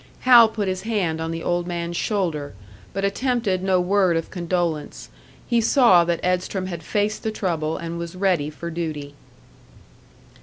Hal put his hand on the old man's shoulder, but attempted no word of condolence; he saw that Edstrom had faced the trouble and was ready for duty.